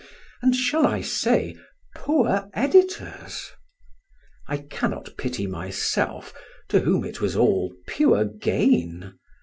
And, shall I say, Poor Editors? I cannot pity myself, to whom it was all pure gain.